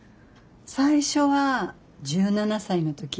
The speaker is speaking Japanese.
最初は１７歳の時。